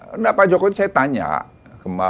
enggak pak jokowi saya tanya